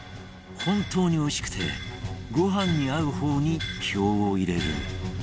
本当においしくてご飯に合う方に票を入れる